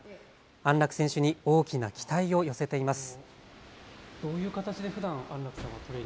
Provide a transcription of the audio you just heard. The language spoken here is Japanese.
安楽選手に大きな期待を寄せています。